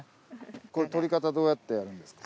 これとり方どうやってやるんですか？